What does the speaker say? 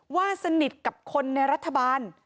ว่าสนิทกับคนในรัฐบาล